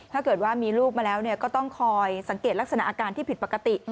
ถ้าเกิดว่ามีลูกมาแล้วก็ต้องคอยสังเกตลักษณะอาการที่ผิดปกติ